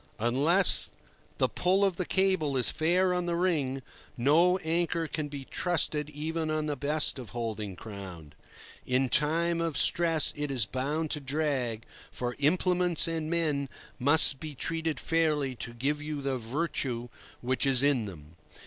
Unless the pull of the cable is fair on the ring, no anchor can be trusted even on the best of holding ground. In time of stress it is bound to drag, for implements and men must be treated fairly to give you the "virtue" which is in them.